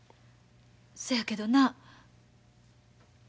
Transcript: そやけどな。